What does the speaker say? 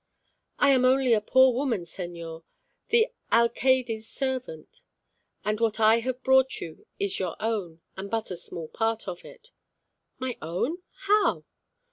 "I am only a poor woman, señor, the alcayde's servant. And what I have brought you is your own, and but a small part of it." "My own! How?"